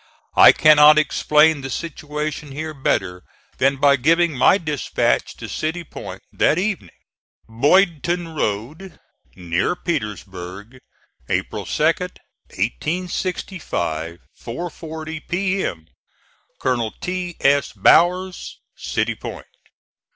I cannot explain the situation here better than by giving my dispatch to City Point that evening: BOYDTON ROAD, NEAR PETERSBURG, April 2, 1865. 4.40 P.M. COLONEL T. S. BOWERS, City Point.